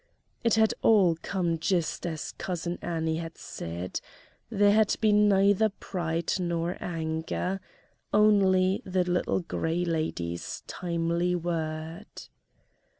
It had all come just as Cousin Annie had said; there had been neither pride nor anger. Only the Little Gray Lady's timely word.